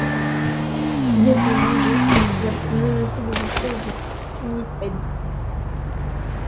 Il est en danger, c'est la plus menacée des espèces de pinnipèdes.